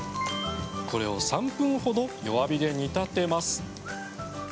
これを３分ほど弱火で煮立てます。